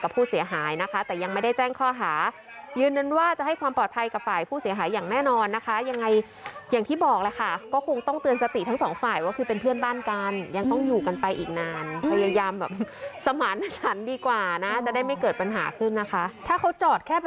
ไปดูคลิปนี้กันก่อนค่ะ